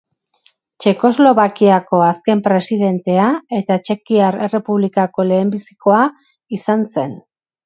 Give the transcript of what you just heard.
Txekoslovakiako azken presidentea eta Txekiar Errepublikako lehenbizikoa izan zen.